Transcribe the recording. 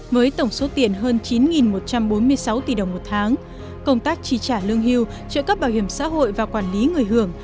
với tổng số tiền hơn chín một trăm bốn mươi sáu tỷ đồng một tháng công tác tri trả lương hưu trợ cấp bảo hiểm xã hội và quản lý người hưởng